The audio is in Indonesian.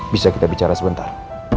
bisa kita bicara sebentar